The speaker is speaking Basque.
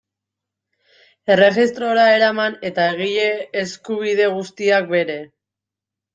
Erregistrora eraman eta egile eskubide guztiak bere.